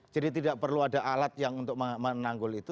jadi tidak perlu ada alat yang untuk menanggul itu